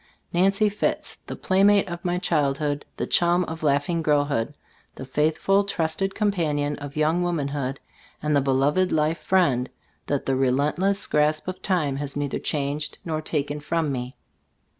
Nancy Fitts! The playmate of my childhood; the "chum" of laughing girlhood ; the faithful trusted compan ion of young womanhood, and the be loved life friend that the relentless grasp of time has neither changed, nor taken from me.